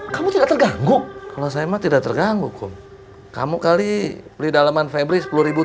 kamu tidak terganggu kalau saya mah tidak terganggu kum kamu kali beli dalaman febri